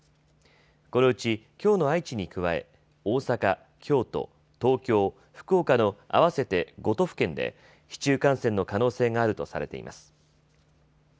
このうち、きょうの愛知に加え大阪、京都、東京、福岡の合わせて５都府県で市中感染の可能性があるとされています。